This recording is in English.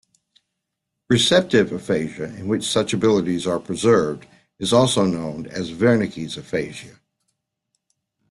Receptive aphasia in which such abilities are preserved is also known as Wernicke's aphasia.